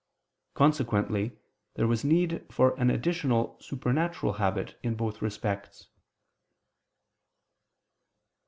Consequently there was need for an additional supernatural habit in both respects.